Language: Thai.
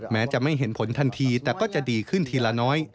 แม้จะไม่เห็นผลทันทีแต่ก็จะดีขึ้นทีละน้อย